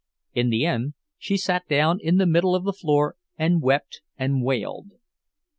In the end she sat down in the middle of the floor and wept and wailed.